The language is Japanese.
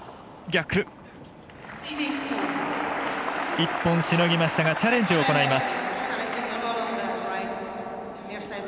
１本しのぎましたがチャレンジを行います。